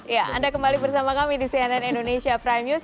ya anda kembali bersama kami di cnn indonesia prime news